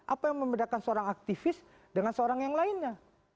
apa yang membedakan seorang aktivis dengan seorang yang lainnya